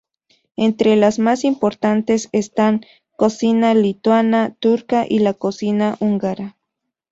Entre las más importantes están cocina lituana, turca y la cocina húngara.